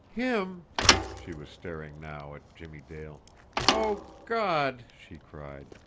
"Him!" She was staring now at Jimmie Dale. "Oh, God!" she cried.